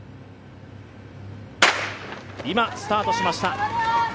今、スタートしました。